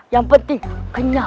yang penting kenyal